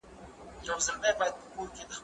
دا ليکنې له هغه ګټورې دي؟